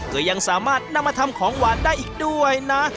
ก็ยังสามารถนำมาทำของหวานได้อีกด้วยนะ